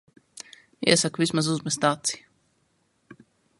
Iesaku vismaz uzmest aci.